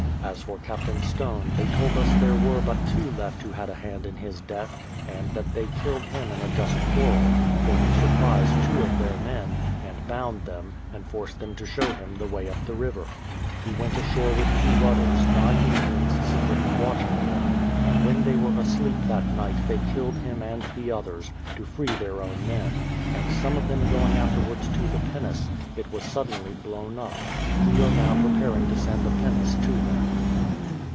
As for Captain Stone, they told us there were but two left who had a hand in his death and that the} killed him in a just quarrel, for he surprised two of their men, and bound them, and forced them to show him the way up the river. He went ashore with two others, nine Indians secretly watching him ; and when they were asleep that night they killed him and the others, to free their own men ; and some of them going afterwards to the pinnace, it was suddenly blown up. We are now preparing to send a pinnace to them.